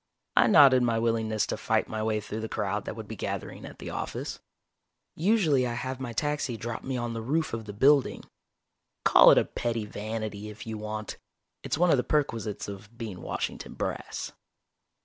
I nodded my willingness to fight my way through the crowd that would be gathering at the office. Usually I have my taxi drop me on the roof of the building. Call it a petty vanity if you want. It's one of the perquisites of being Washington brass.